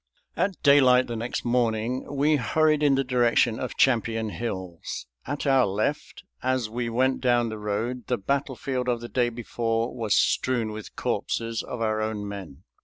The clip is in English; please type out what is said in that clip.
At daylight the next morning we hurried in the direction of Champion Hills. At our left, as we went down the road, the battlefield of the day before was strewn with corpses of our own men.